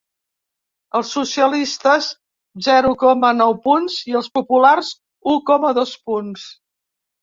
Els socialistes zero coma nou punts, i els populars u coma dos punts.